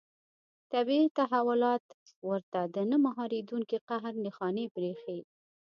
طبیعي تحولات ورته د نه مهارېدونکي قهر نښانې برېښي.